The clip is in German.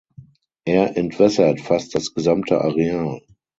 Er entwässert fast das gesamte Areal.